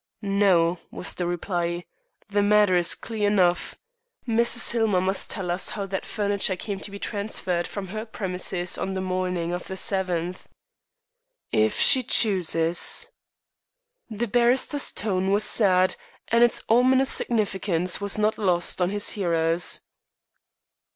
"No," was the reply. "The matter is clear enough. Mrs. Hillmer must tell us how that furniture came to be transferred from her premises on the morning of the 7th." "If she chooses." The barrister's tone was sad, and its ominous significance was not lost on his hearers.